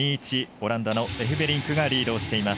オランダのエフベリンクがリードしています。